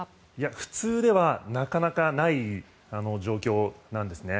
普通ではなかなかない状況なんです。